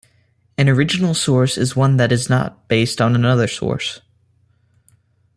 An original source is one that is not based on another source.